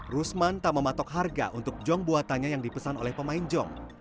rusman tak mematok harga untuk jong buatannya yang dipesan oleh pemain jong